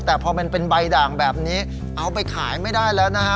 แต่พอมันเป็นใบด่างแบบนี้เอาไปขายไม่ได้แล้วนะฮะ